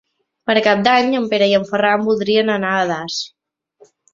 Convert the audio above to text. Per Cap d'Any en Pere i en Ferran voldrien anar a Das.